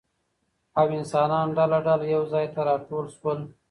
او انسانان ډله ډله يو ځاى ته راټول شول